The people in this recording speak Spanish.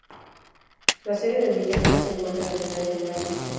La sede de dicha liga se encuentra en la ciudad de General Pico.